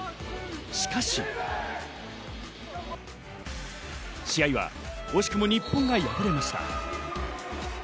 しかし試合は惜しくも日本が敗れました。